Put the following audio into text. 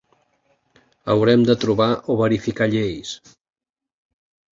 Haurem de trobar o verificar lleis.